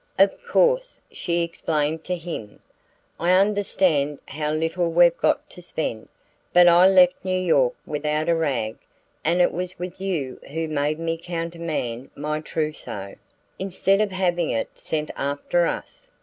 "Of course," she explained to him, "I understand how little we've got to spend; but I left New York without a rag, and it was you who made me countermand my trousseau, instead of having it sent after us.